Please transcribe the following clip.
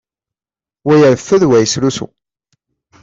Wa ireffed, wa yesrusu.